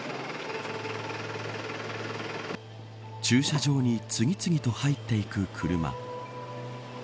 駐車場に次々と入っていく車。